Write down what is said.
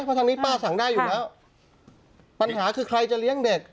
เพราะทางนี้ป้าสั่งได้อยู่แล้วปัญหาคือใครจะเลี้ยงเด็ก